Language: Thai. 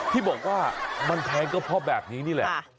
ที่บอกว่ามันแพงก็เพราะแบบนี้นี่แหละ